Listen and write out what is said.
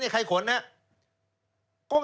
ใครขนนะครับ